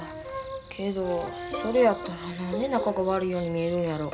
けどそれやったら何で仲が悪いように見えるんやろ。